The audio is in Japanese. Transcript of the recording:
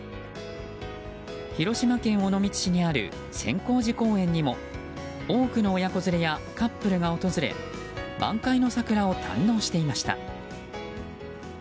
広島県尾道市にある千光寺公園にも多くの親子連れやカップルが訪れ満開の桜を堪能していました。